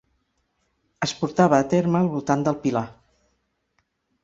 Es portava a terme al voltant del Pilar.